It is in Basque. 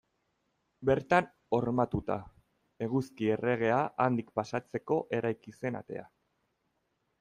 Bertan hormatuta, Eguzki Erregea handik pasatzeko eraiki zen atea.